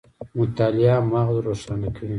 مطالعه مغز روښانه کوي